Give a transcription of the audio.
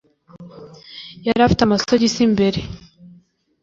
Yari afite amasogisi imbere